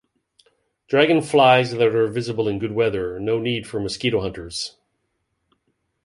Dragon flies that are visible in good weather, no need for mosquito hunters.